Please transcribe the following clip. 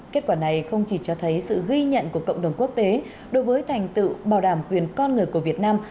kết quả này không chỉ cho thấy sự ghi nhận của cộng đồng quốc tế đối với thành tựu bảo đảm quyền con người của việt nam